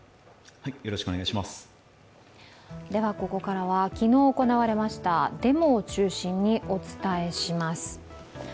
ここからは昨日行われましたデモを中心にお伝えします。